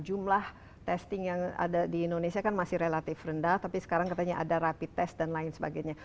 jumlah testing yang ada di indonesia kan masih relatif rendah tapi sekarang katanya ada rapid test dan lain sebagainya